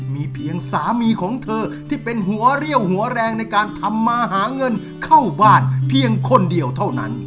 มีเพียงสามีของเธอที่เป็นหัวเรี่ยวหัวแรงในการทำมาหาเงินเข้าบ้านเพียงคนเดียวเท่านั้น